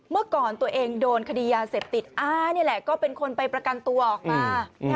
เมื่อก่อนตัวเองโดนคดียาเสพติดอ้านี่แหละก็เป็นคนไปประกันตัวออกมา